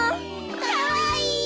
かわいい！